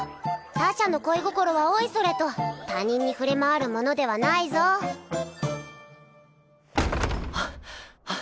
他者の恋心はおいそれと他人に触れ回るものではないぞはあはあ